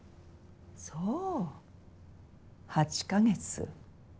そう８カ月。